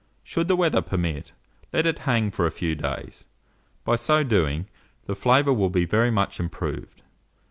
Should the weather permit, let it hang for a few days: by so doing, the flavour will be very much improved.